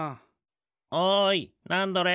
おいナンドレ。